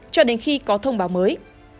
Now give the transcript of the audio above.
cho đến khi có thông báo mới